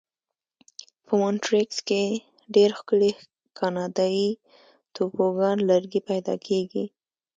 په مونټریکس کې ډېر ښکلي کاناډایي توبوګان لرګي پیدا کېږي.